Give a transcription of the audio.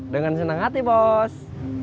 dengan senang hati bos